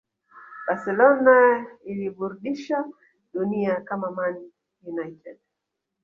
Barcelona iliburdisha dunia kama Man United